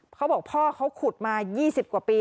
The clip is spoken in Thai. เค้าบอกพ่อเค้าขุดมา๒๐กว่าปี